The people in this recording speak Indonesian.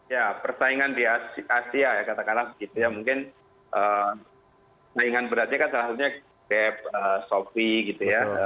ya persaingan di asia ya katakanlah begitu ya mungkin persaingan beratnya kan seharusnya kf sofi gitu ya